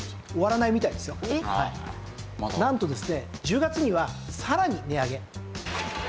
なんとですね１０月にはさらに値上げ。